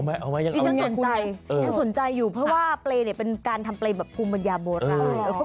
เอาไหมยังสนใจอยู่เพราะว่าเปลยเป็นการทำเปลยภูมิบัญญาโบราณ